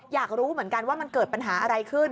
อยากรู้เหมือนกันว่ามันเกิดปัญหาอะไรขึ้น